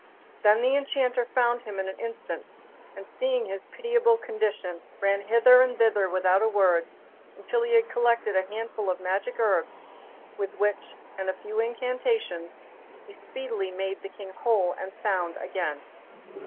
Then the Enchanter found him in an instant, and seeing his pitiable condition, ran hither and thither without a word, until he had collected a handful of magic herbs, with which, and a few incantations, he speedily made the King whole and sound again.